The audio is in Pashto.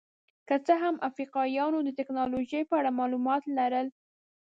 که څه هم افریقایانو د ټکنالوژۍ په اړه معلومات لرل.